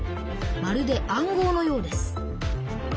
まるで暗号のようです。